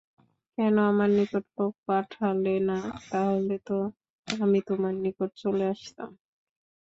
কেন আমার নিকট লোক পাঠালে না, তাহলে তো আমি তোমার নিকট চলে আসতাম?